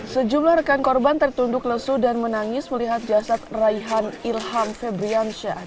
sejumlah rekan korban tertunduk lesu dan menangis melihat jasad raihan ilham febriansyah